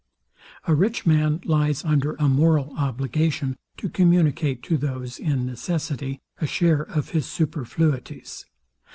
A rich man lies under a moral obligation to communicate to those in necessity a share of his superfluities.